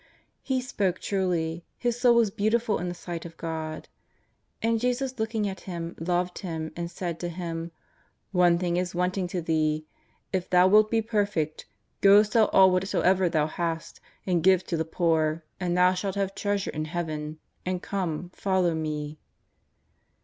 lie spoke truly, his soul was beautiful in the sight of God. And Jesus looking on Him loved him and said to him: *' One thing is wanting to thee ; if thou wilt be per fect, go sell all whatsoever thou hast, and give to the poor, and thou shalt have treasure in Heaven, and come, follow Me.''